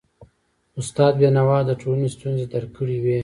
استاد بينوا د ټولنې ستونزي درک کړی وي.